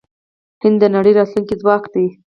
هند د نړۍ راتلونکی ځواک دی.